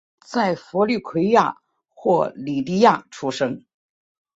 在佛律癸亚或吕底亚出生。